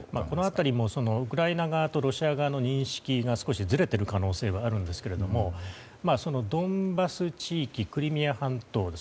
この辺りもウクライナ側とロシア側の認識が少しずれている可能性はあるんですけれどもドンバス地域、クリミア半島